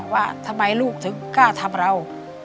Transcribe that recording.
ว่าทำไมลูกถึงกล้าทำเรา